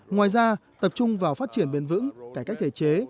ngoài ra tập trung vào phát triển bền vững cải cách thể chế